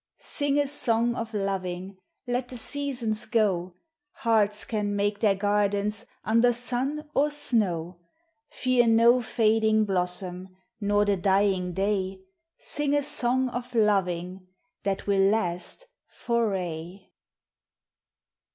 Sing a song of loving! Let the seasons go ; Hearts can make their gardens Under sun or snow ; Fear no fading blossom, Nor the dying day; Sing a song of loving, — That will last for aye!